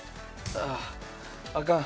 ああ！あかん。